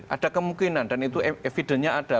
ada kemungkinan dan itu evidentnya ada